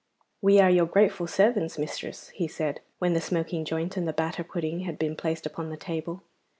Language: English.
'We are your grateful servants, mistress,' said he, when the smoking joint and the batter pudding had been placed upon the table.